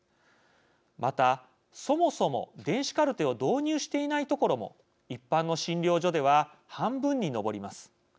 また、そもそも電子カルテを導入していない所も一般の診療所では半分に上ります。